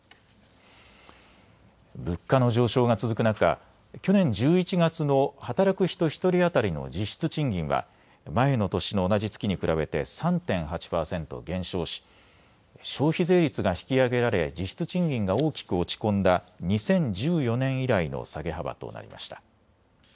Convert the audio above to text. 物価の上昇が続く中、去年１１月の働く人１人当たりの実質賃金は前の年の同じ月に比べて３．８％減少し消費税率が引き上げられ実質賃金が大きく落ち込んだ２０１４年以来の下げ幅となりました。